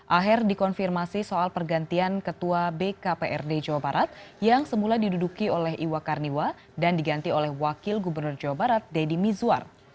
aher dikonfirmasi soal pergantian ketua bkprd jawa barat yang semula diduduki oleh iwa karniwa dan diganti oleh wakil gubernur jawa barat deddy mizwar